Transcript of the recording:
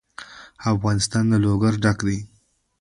افغانستان له لوگر ډک دی.